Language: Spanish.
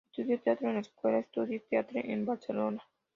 Estudió teatro en la escuela "Estudis teatre" en Barcelona.